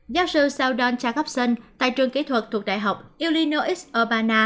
giáo sư seldon jacobson tại trường kỹ thuật thuộc đại học illinois urbana